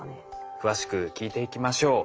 詳しく聞いていきましょう。